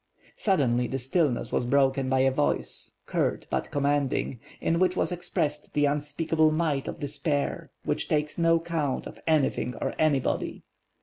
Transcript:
Suddenly the stillnesS was broken by a voice, curt but commanding, in which was expressed the unspeakable might of despair, which takes no count of anything or anybody.